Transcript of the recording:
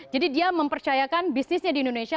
dia mempercayakan bisnisnya di indonesia